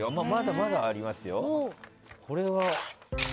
まだありますよ。